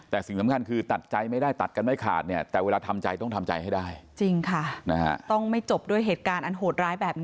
แต่สิ่งสำคัญคือตัดใจไม่ได้ตัดกันไม่ขาด